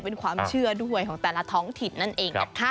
เป็นความเชื่อด้วยของแต่ละท้องถิ่นนั่นเองนะคะ